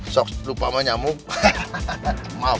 sok lupa sama nyamuk hahaha